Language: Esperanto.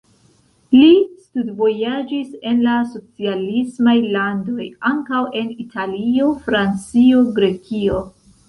Li studvojaĝis en la socialismaj landoj, ankaŭ en Italio, Francio, Grekio.